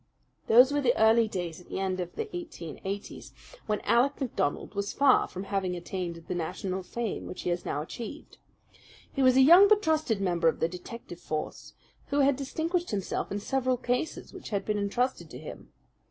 Those were the early days at the end of the '80's, when Alec MacDonald was far from having attained the national fame which he has now achieved. He was a young but trusted member of the detective force, who had distinguished himself in several cases which had been intrusted to him.